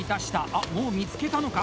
あ、もう見つけたのか？